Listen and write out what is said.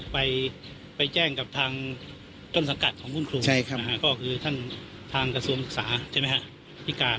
ไปแจ้งกับทางต้นสังกัดของคุณครูคือทางกระทรวมศึกษาที่การ